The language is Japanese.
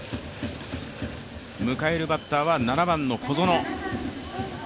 迎えるバッターは７番の小園。